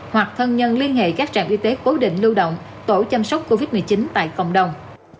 hoặc thân nhân liên hệ các trạm y tế cố định lưu động tổ chăm sóc covid một mươi chín tại cộng đồng